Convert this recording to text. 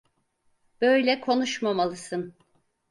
Böyle konuşmamalısın.